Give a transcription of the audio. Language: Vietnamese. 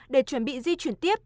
để chuẩn bị di chuyển tiếp